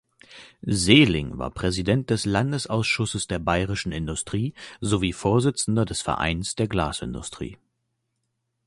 Seeling war Präsident des Landesausschusses der Bayerischen Industrie sowie Vorsitzender des Vereins der Glasindustrie.